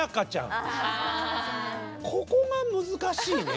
ここが難しいね。